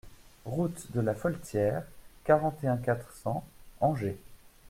Route de la Foltiere, quarante et un, quatre cents Angé